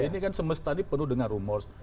ini kan semesta ini penuh dengan rumor